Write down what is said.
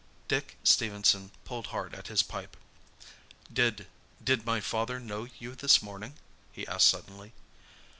Dick Stephenson pulled hard at his pipe. "Did—did my father know you this morning?" he asked suddenly.